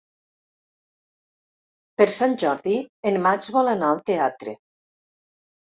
Per Sant Jordi en Max vol anar al teatre.